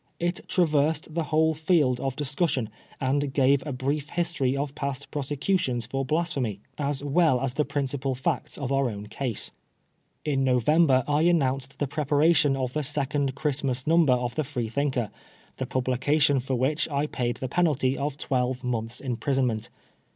It traversed the whole field of discussion, and gave a brief history of past prosecutions for Blasphemy, as well as the principal facts of our own case. In November I announced the preparation of the second Christmas Number of the Freethinker^ the publication for which I paid the penalty of twelve months^ imprisonment.